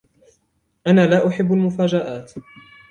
أنا لا أحب المفاجآت.